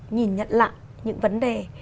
nhìn nhận lại những vấn đề